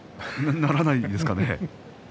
ならないですかね。